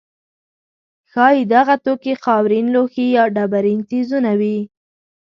ښایي دغه توکي خاورین لوښي یا ډبرین څیزونه وي.